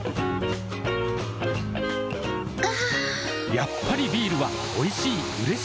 やっぱりビールはおいしい、うれしい。